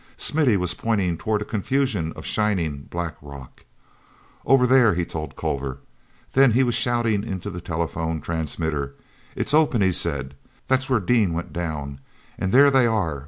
Smithy was pointing toward a confusion of shining black rock. "Over there," he told Culver. Then he was shouting into the telephone transmitter. "It's open," he said. "That's where Dean went down—and there they are!